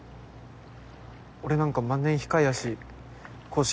俺なんか万年控えやし硬式